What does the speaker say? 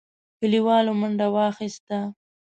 کليوالو منډه واخيسته.